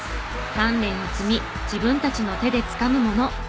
鍛錬を積み自分たちの手でつかむもの。